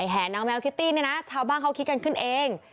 แห่นางแมวคิตตี้เนี่ยนะชาวบ้านเขาคิดกันขึ้นเอง